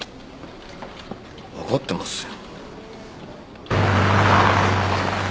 分かってますよ。